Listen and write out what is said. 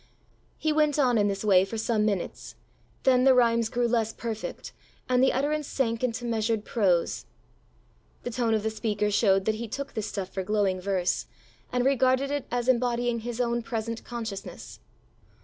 He went on in this way for some minutes; then the rimes grew less perfect, and the utterance sank into measured prose. The tone of the speaker showed that he took the stuff for glowing verse, and regarded it as embodying his own present consciousness.